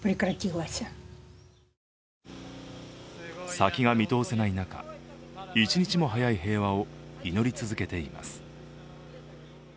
先が見通せない中、一日も早い平和を祈り続けています。